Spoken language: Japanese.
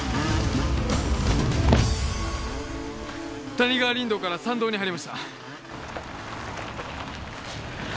谷川林道から山道に入りました。